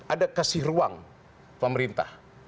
ada kasih ruang pemerintah